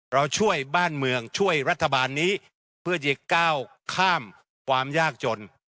เราช่วยบ้านเมืองช่วยรัฐบาลนี้เพื่อจะก้าวข้ามความยากจน